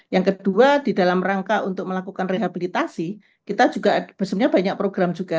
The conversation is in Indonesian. yang kedua di dalam rangka untuk melakukan rehabilitasi kita juga sebenarnya banyak program juga